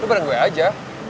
lo bareng gue aja